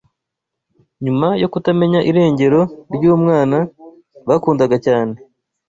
nyuma yo kutamenya irengero ry’umwana bakundaga cyane?